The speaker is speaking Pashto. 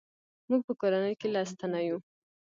موږ په کورنۍ کې لس تنه یو.